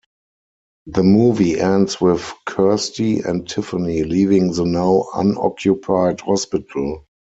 The movie ends with Kirsty and Tiffany leaving the now unoccupied hospital.